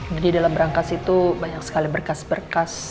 jadi dalam rangkas itu banyak sekali berkas berkas